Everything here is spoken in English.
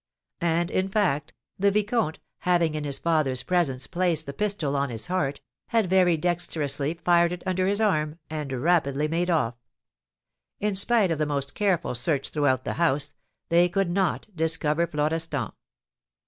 And in fact, the vicomte, having in his father's presence placed the pistol on his heart, had very dexterously fired it under his arm, and rapidly made off. In spite of the most careful search throughout the house, they could not discover Florestan.